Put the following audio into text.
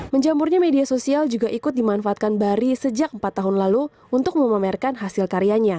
menjamurnya media sosial juga ikut dimanfaatkan bari sejak empat tahun lalu untuk memamerkan hasil karyanya